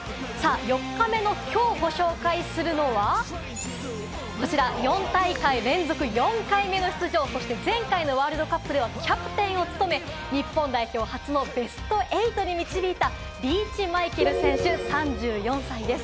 ４日目のきょうご紹介するのは、こちら、４大会連続４回目の出場、そして前回のワールドカップではキャプテンを務め、日本代表を初のベスト８に導いたリーチ・マイケル選手、３４歳です。